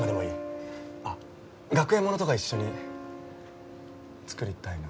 あっ学園ものとか一緒に作りたいな。